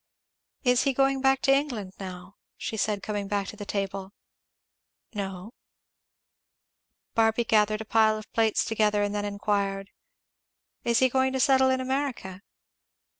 "Is he going back to England now?" she said coming back to the table. "No." Barby gathered a pile of plates together and then enquired, "Is he going to settle in America?"